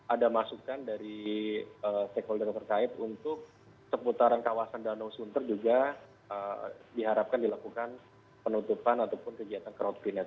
ada masukan dari stakeholder yang berkait untuk seputaran kawasan danau sunter juga diharapkan dilakukan penutupan ataupun kegiatan car free night